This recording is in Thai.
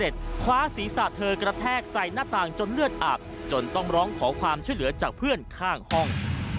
เช่าเหลือจากเพื่อนข้างห้อง